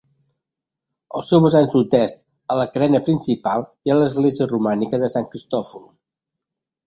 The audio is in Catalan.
Al seu vessant sud-est, a la carena principal, hi ha l'església romànica de Sant Cristòfol.